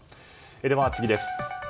では、次です。